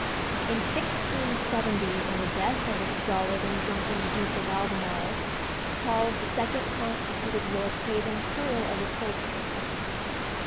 In 1670, on the death of the stolid and drunken Duke of Albemarle, Charles II. constituted Lord Craven colonel of the Coldstreams.